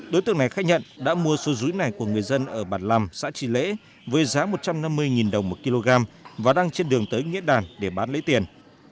đối tượng này khai nhận đã mua số rúi này của người dân ở bản làm xã tri lễ với giá một trăm năm mươi đồng một kg và đang trên đường tới nghĩa đàn để bán lấy tiền